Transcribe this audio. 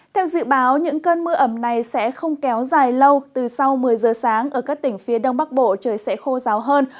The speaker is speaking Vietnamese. theo dự báo những cơn mưa ẩm này sẽ không kéo dài lâu từ sau một mươi giờ sáng ở các tỉnh phía đông bắc bộ trời sẽ khô ráo hơn